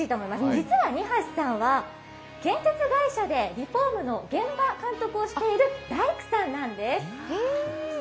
実は二橋さんは建設会社でリフォームの現場監督をしている大工さんなんです。